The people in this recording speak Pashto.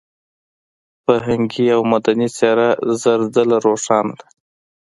فرهنګي او مدني څېره زر ځله روښانه ده.